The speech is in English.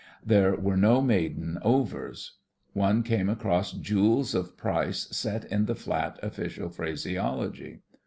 There were no maiden overs. One came across jewels of price set in the flat official phraseology.